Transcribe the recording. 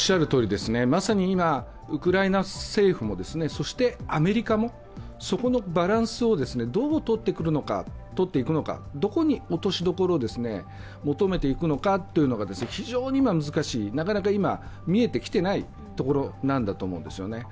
まさに今、ウクライナ政府もアメリカも、そこのバランスをどうとってくるのか、とっていくのかどこに落としどころを求めていくのかが非常に難しい、なかなか今、見えてきていないところなんだと思うんですよね。